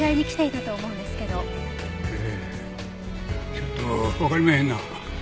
ちょっとわかりまへんな。